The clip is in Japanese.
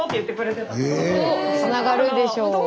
つながるでしょう。